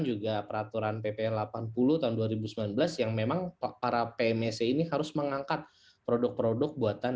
juga peraturan ppn delapan puluh tahun dua ribu sembilan belas yang memang para pmc ini harus mengangkat produk produk buatan